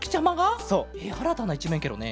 えっあらたないちめんケロね。